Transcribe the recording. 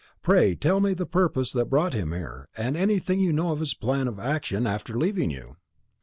"Pray tell me the purpose that brought him here, and anything you know of his plan of action after leaving you."